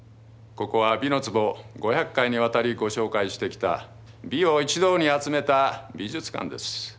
ここは「美の壺」５００回にわたりご紹介してきた「美」を一堂に集めた美術館です。